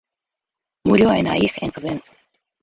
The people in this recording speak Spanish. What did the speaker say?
Murió en Aix-en-Provence.